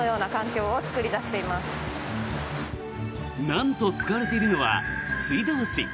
なんと使われているのは水道水。